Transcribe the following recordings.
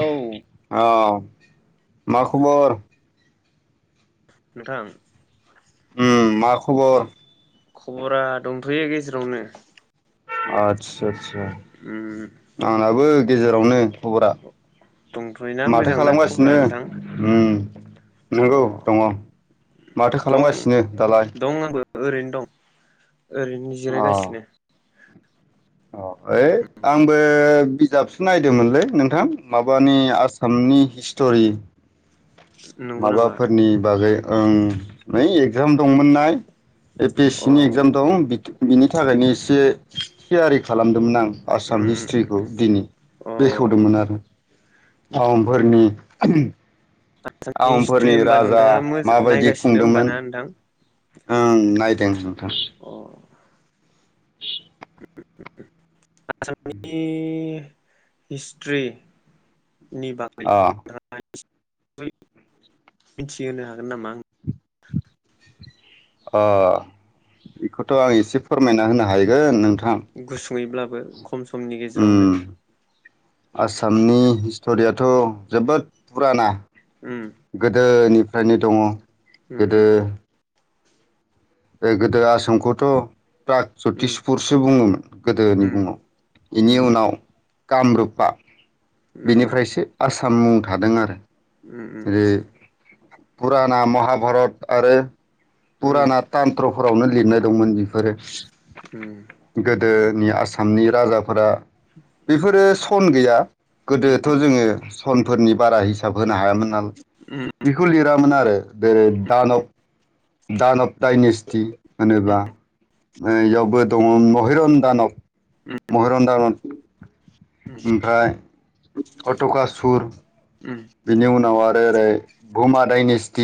औ औ मा खबर? नोंथां। ओम माख खबर? उम खबरा दंथ'यो गेजेरावनो। आद सा सा उम आंनाबो गेजेरावनो। खबरा दंथ'योना माथो मोजांना खबरा खालामगासिनो नोंथां ओम। अ नंगौ दङ माथो दं खालामगासिनो दालाय? दं आंबो ओरैनो दं ओरैनो अ जिरायगासिनो। अ ओइ आंबो बिजाबसो नायदोंमोनलै नोंथां माबानि आसामनि हिस्ट'रि नंगौ नामा माबाफोरनि बागै ओं नै एगजाम दंमोननाय। A P S O C नि एगजाम दं बिक बिनि थाखायनो इसे थियारि खालामदोंमोन आं। आसाम उम उम उम हिस्ट्रिखौ दिनि अ बेखेवदोंमोन आरो आहम फोरनि आसामनि हिस्ट्रि होमबा नोंथाङा मज माबायदि नायगासिनो होमबा खुंदोंमोन ना नोंथां। ओं नायदों नोंथां। अ [unintelligible] आसामनि हिस्ट्रि नि बागै अ [unintelligible] [unintelligible] मिथिहोनो हागोन नामा आनो? अ बेखौथ' आं एसे फोरमायना होनो हायोगोन नोंथ गुसुङैब्लाबो खम समनि उम गेजेरावनो आसामनि हिस्ट'रियाथ' जोबोद पुराना गोदोनि फ्रायनो दङ। ओम ओम ओम। बे गोदो आसामखौथ' प्राग उम ज्यतिसपुरसो बुङोमोन गोदोनि उम मुङाव बेनि उम उनाव। कामरुपा बेनिफ्रायसो आसाम। सान मुं थादों आरो। ओम ओम ओम। पुराना महाभारत आरो। पुराना तानत्र फोरावनो लिरनाय। दंमोन बिफोरो गो दोनि आसामनि राजाफोरा बेफोरो फन गैया गोदोथ' जोङो सनफोरनि बारा हिसाब होनो हायामोन। नालाय बिखौ लिरामोन आरो। [inaudible] [unintelligible] होनोब्ला ओ यावबो दङ' महिरन दानब महिरन दानत। ओमफ्राय अट'खा सुर बिनि उनाव आरो ओरै भुमा दायनिस [inaudible]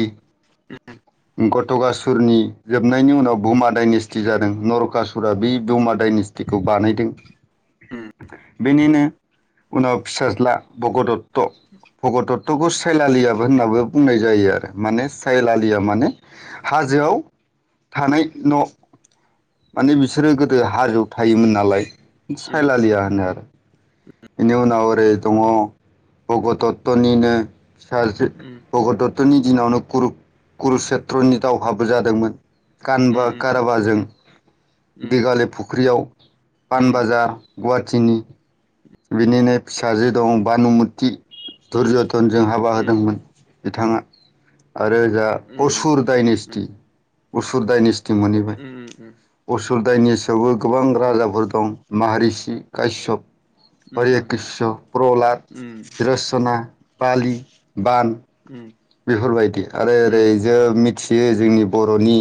ओम गट'गासुरनि जोबनायनि उनाव बुमा डाइनेस्टि जादों नरकासुरा बे बुमा डायनेस्टिखौ बानायदों बेनिनो उनाव फिसाज्ला भगदत। त भगदत तखौ साइलालियाबो होननाबो बुंनाय जायो आरो माने साइलालिया। माने हाजोआव थानाय न' माने बिसोरो गोदो हाजोआव थायोमोन नालाय सायलालिया होनो आरो। बेनि उनाव ओरै दङ भगदत्तनिनो फिसाजो भगदत तनि दिनावनो कुरु कुरुषेत्रनि दावहाबो जादोंमोन। गानबा गाराबाजों दिघाले फुख्रियाव पानबाजार गुवा टिनि बिनिनो फिसाजो दं बानुमुति धुरज नजों हाबा होदोंमोन। बिथाङा आरो जा असुर डाइनेस्टि असुर डाइनेस्टि मोनहैबाय असुर दाइनेस्टि थेवबो गोबां राजाफोर दं माहारिश कायसप हरिकृष प्रहलाद रसना पालि बान बेफोरबायदि आरो ओरै जों मिथियो जोंनि बरनि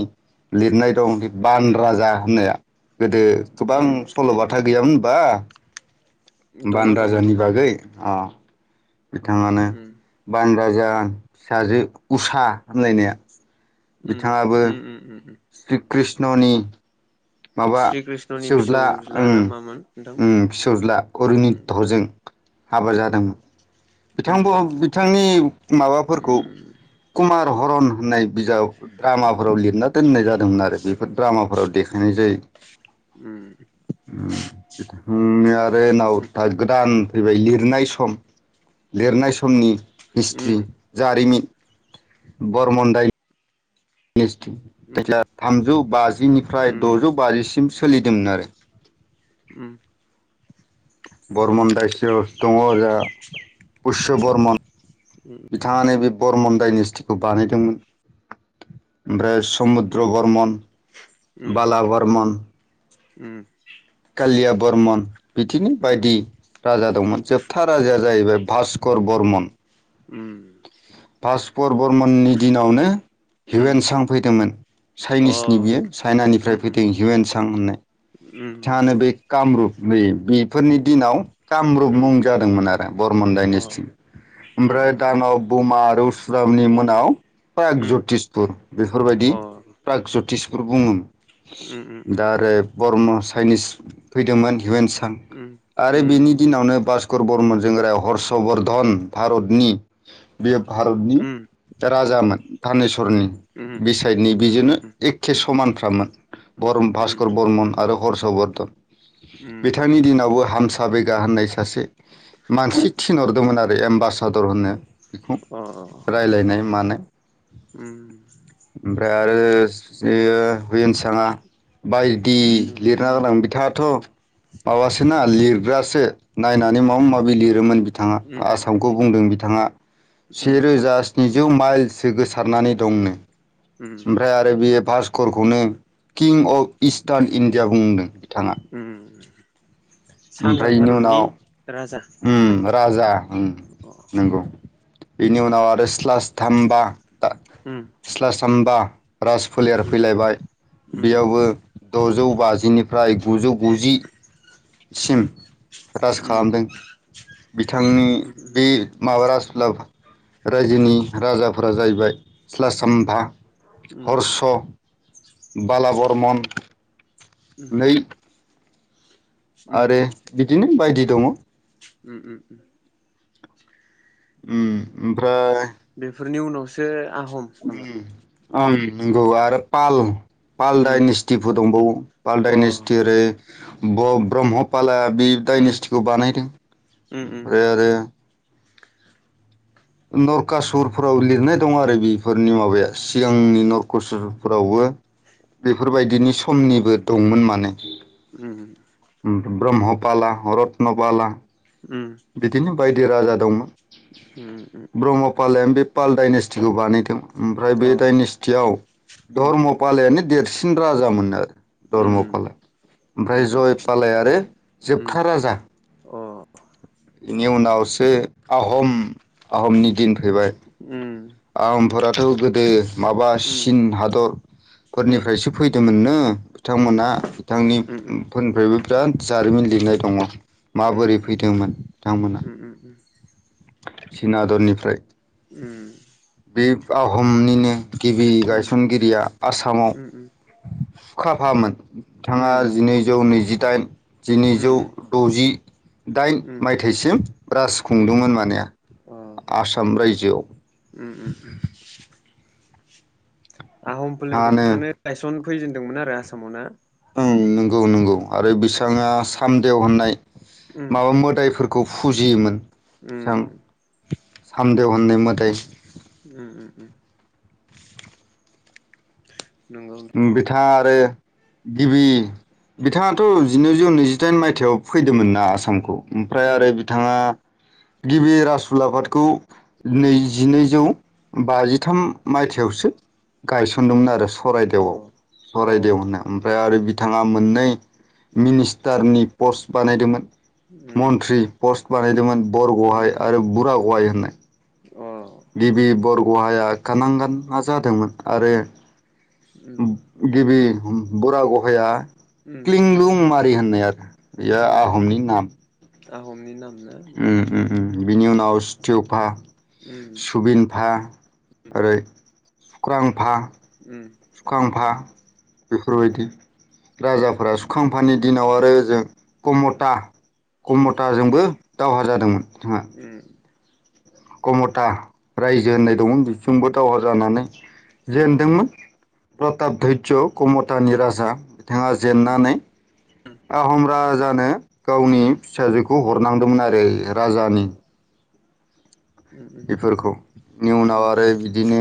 लिरनाय दं बान राजा होननाया गोदो गोबां सलबाथा गैयामोनबा दङ दङ बान राजानि नोंथां दङ बागै अ बिथाङानो उम बान राजा फिसाजो उसा होनलायनाया उम बिथाङाबो उम उम उम उम श्री कृष्णनि माबा श्री कृष्णनि फिसौज्ला ना मामोन नोंथां उम फिसौज्ला अरुनि उम हरजों हाबा जादोंमोन बिथां उम बिथांनि माबाफोरखौ उम कुमार हरन होननाय बिजाब द्रामाफोराव लिरना दोननाय जादोंमोन आरो बेफोर द्रामाफोराव देखायनाय जायो उम उम यियार ड्रेनाव उम दा गोदान फैबाय लिर लिरनाय सम लिरनाय समनि उम हिस्ट्रि जारिमिन बरमन दाय दिस उम थायजा थामजु बास जिनिफ्राय दजौ बाजिसिम सोलिदोंमोन आरो ! ! ! ! बरमन दाइस दङ जा बुरस बर्मन बिथाङानो बे बरमन डाइनेस्टिखौ बानायदोंमोन समुद्र उम बर्मन बाला बर्मन उम लिया बरमन बिदिनो बायदि राजा दंमोन। जोब था राजाया जाहैबाय भास कर बर्मन। ओम। भासबर बर्मननि दिनावनो हिउवेनसां फैदोंमोन, चाइनिसनि बियो चाइनानिफ्राय फैदों हिउवेनसां होननाय। बिथाङानो बे कामरुप नै बेफोरनि दिनाव कामरुप मुं जादोंमोन आरो, बरमन डाइनेस्टि। ओमफ्राय दानब बमा दौस्रामनि मोनाव प्रागज्यतिसपुर, बेफोरबादि प्रागज्यतिस फोर बुङो। दा आरो बरम चाइनिस फैदोंमोन हिउवेन सां आरो बिनि दिनावनो भास कर बर्मनजों [unintelligible] हर्षवर्धन भारतनि बेयो भारतनि राजामोन धानेस्वरनि, बिसाइदनि बिजोंनो एखे समान [unintelligible] बरम भास्कर बर्मन आरौ हर्षवर्धन। बिथांनि दिनावबो हाम साबैगा होननाय सासे मानसि थिनहरदोंमोन आ बे एम्बासादर होनो। बिखौ रायलायनाय मानाय। ओमफ्राय आरो जेयो हिउवेनसाङा बायदि लिरना गालाङो। बिथाङाथ' माबासोना लिरग्रासो। नायनानै माबा माबि लिरोमोन बिथाङा। आसामखौ बुंदों बिथाङा सेरोजा स्निजौ माइलसो गो थारनानै दंनो। ओमफ्राय आरो बियो भास घरखौनो किं अफ इस्टान इण्डिया बुंदों उम। ओमफ्राय बेनि उनाव उम राजा उम, नंगौ। बिनि उनाव आरो स्लास थामबा, आ स्लास थाम्बा, राज फोलेर फैलायबाय। बेयावबो द'जौ बाजिनिफ्राय गुजौ गुजि सिम राज खालामदों। राजा बिथांनि बे माबा राज [inaudible] उलाफा रायजोनि राजाफोरा जाहैबाय स्लास थाम्बा [inaudible] हर्स' बाला बर्मन नै आरो बिदिनो बायदि दङ। उम उम उम। उम ओमफ्राय बेफोरनि उनावसो आहम नामा ओम ओम नंगौ। आरो पाल पाल उम डाइनेस्टिफोर दंबावो पाल अ डाइनेस्टि ओरै ब- ब्रह्मपाला बे उम डाइनेस्टिखौ बानायदों। उम उम ओमफ्राय आरो नरखासुरफोराव लिरनाय दं आरो बेफोरनि माबाया सिगांनि नरखासुरफोरावबो बेफोरबायदिनि समनिबो दंमोन माने। उम। ओम ब्रह्मपाला रतन पाला। उम बिदिनो बाय दि राजा दंमोन। उम उम ब्रह्मपालायानो बे पालडनेस्टिखौ बानाय दों। ओमफ्राय बे अ दायनेस्टियाव उम धर्म फालायानो देर सिन राजा मोननो आरो। उम धर्म पालआ। उम अ उम ओमफ्राय जय आय आरो जोबथा राजा अह। बेनि उनावसो आहम आहमनि दिन फैबाय आहमफोराथ' गोदो माबा चिन हादरफोरनिफ्रायसो फैदोंमोननो बिथांमोना बिथांनि उम उम उम फोरनिफ्रायबो रोन जारिमिन लिरनाय दङ माबोरै फैदोंमोन बिथांमोना चिना हादरनिफ्राय। उम। बिब आहमनिनो गिबि गायसनगिरिया आसामाव ख्राख फाहाममोन बिथाङा जिनैजौ नैजि दाइन जिनैजौ द'जिदाइन मायथाइसिम राज खुंदोंमोन माने अ आसाम रायजोआव। [unintelligible] आहम फोलेर बिथाङानो बिथांनो गायसन फैजेनदोंमोन आरो आसामाव ना। ओं नोंगौ नोंगौ। आरो अ बिसाङा सान देव होननाय उम माबा मोदायफोर खौ फुजियोमोन। उम। बिथां सामदेव होननाय मोदायस उम‌ उम उम। [unintelligible] उम बिथाङा आरो गिबि बिथाङाथ' जिनैजौ नैजिदाइन मायथायाव फैदोंमोन ना आसामखौ ओमफ्राय उम आरो बिथाङा गिबि राज उलाफादखौ उम नैजिनैजौ बाजिथाम मायथायावसो गायसनदोंमोन आरो। सरायदेवआव सररायदेव होनो ओमफ्राय आरो थाङा मोननै मिनिस्टारनि पस्ट बानायदोंमोन। मन्त्रि पस्ट बानायदोंमोन बरगहाय आरो बुरा गहाय। [unintelligible] गिबि बरगहाया। खानांगोना जादोंमोन आरो गिबि बरा गहाया। क्लिं लुम माय्क होननाय आर बेयो आहमनि नाम। आहमनि नाम। ना उम उम बिनि उनाव स्टिउफा सुबिनफा ओरै अक्रांफा उम सुखांफा बेफोरबायदि राजाफोरा सुखांफानि दिनाव आरो ओजों कमथा। खमथाजोंबो। दावहा जादोंमोन। उम कमटा रायजो होननाय दं बिथिबो। दावहा जानानै जेनदोंमोन। प्रतपधरज कमथानि राजा। बिथाङा जेेननानै आहम राज जानो गावनि फिसाजोख- खौ हरनांदोंमोन आरो। राजानि बेफोरखौनि उनाव आरो बिदिनो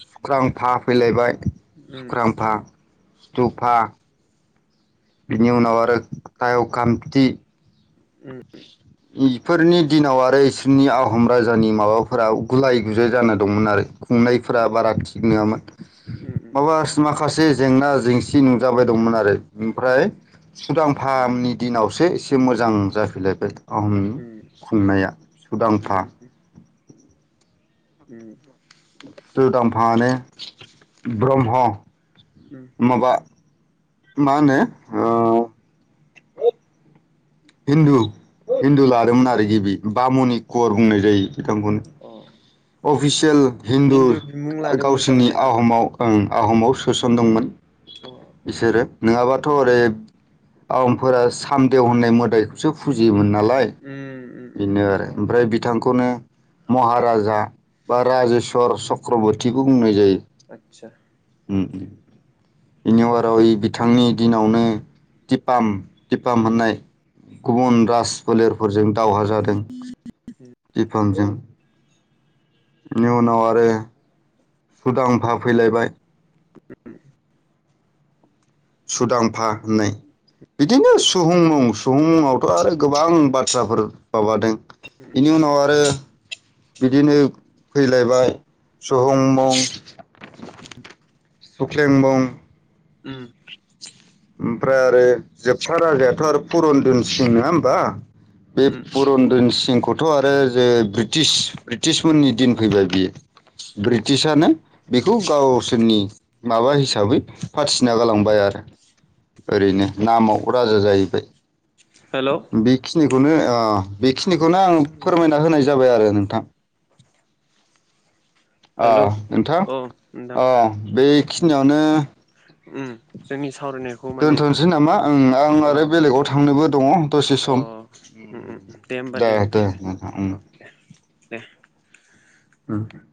सुख्रां फा फैलायबाय सुख्रांफा स्थुफा बिनि उनाव आरो थाय कान्थि ओम फोरनि दिनाव आरो इसोरनि आहम राजानि माबाफोरा गुलाय गुजाय जाना दंमोन आरो। खुंनायफोरा बारा थिग नङामोन माबा माखासे जेंना जेंसि नुजाबाय दंमोन आरो ओमफ्राय सुदां फाहामनि दिनावसो एसे मोजां जाफिनलायबाय आहमनि खुंनाया सुदांफा उम ओम सुदांफानो ब्रम्ह माबा मा होनो ओम हिन्दु हिन्दु लादोंमोन आरो गिबि बामुनि कर बुंनाय जायो। सतामबनि अ अफिसियेल हिन्दु बिमुं आ लादोंमोन गावसोरनि थारमाने नामा आहमाव ओम आ आहमाव सोसन दंमोन अ बिसोरो नङाबाथ' ओरै उम, आहमफोरा सामदेव होननाय मोदाइखौसो फुजियोमोन नालाय उम, उम, बाय उम, बेनो आरो अ, ओमफ्राय बिथांखौनो महाराजा बा राजेस्वर चक्रबति बो बुंनाय जायो। आतसा बेनि अराव बिथांनि दिनावनो दिपाम दिफाम उम, होननाय गुबुन राज फोलेरफोरजों दावहा जादों दिफांजों इनि उनाव आरो सुदांफा फैलायबाय [inaudible] सुदांफा होननाय, बिदिनो सुहुंमुं सुहुंमुंआवथ' आरो गोबां बाथ्राफोर माबादों बेनि उनाव आरो बिदिनो फैलायबाय सुहुंमुं [unintelligible] सुख्लें मुं उम ओमफ्राय आरो जोबथा राजायाथ' आरो पुरन दोनसिं नङा होमबा? बे उम, पुरनदोन सिंखौथ' आरो जे ब्रिटिश ब्रिटिशमोननि दिन फैबाय बियो ब्रिटिसानो बेखौ गावसोरनि माबा हिसाबै फाथिना गालांबाय आरो ओरैनो नामाव राजा जाहैबाय हेल' बेखिनिखौनो ओ बेखिनिखौनो आं फोरमायना होनाय जाबाय आरो नों थां अ हेलौ नोंथां अ नोंथां अ बेखिनियावनो ओम जोंनिसि दोनथ'नोसै नामा आं अ आरो बेलेगाव थांनोबो दङ दसे अ सम उम उम होमबा दे नोंथां दे अ दे दे ओम ओम